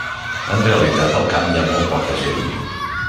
En realitat, al camp hi ha molt poca gent.